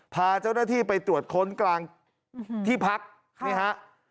พาเจ้าหน้าที่ไปตรวจค้นกลางที่พักนี่ฮะ